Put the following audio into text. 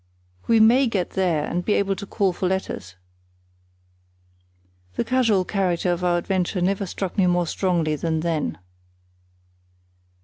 We may get there and be able to call for letters." The casual character of our adventure never struck me more strongly than then.